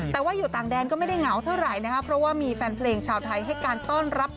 แต่ว่าอยู่ต่างแดนก็ไม่ได้เหงาเท่าไหร่นะครับเพราะว่ามีแฟนเพลงชาวไทยให้การต้อนรับ